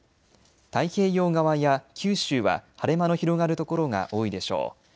大平洋側や九州は晴れ間の広がる所が多いでしょう。